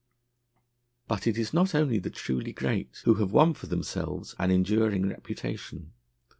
But it is not only the truly great who have won for themselves an enduring reputation.